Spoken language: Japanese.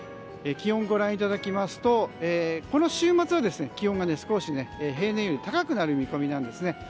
気温、ご覧いただきますとこの週末は気温が少し平年より高くなる見込みなんですね。